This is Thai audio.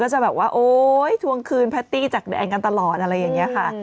จะแบบว่าโอ๊ยทวงคืนแพตตี้จากแดนกันตลอดอะไรอย่างนี้ค่ะ